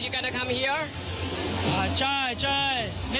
ที่สนชนะสงครามเปิดเพิ่ม